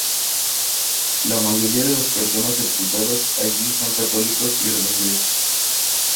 La mayoría de las personas sepultadas allí son católicos irlandeses.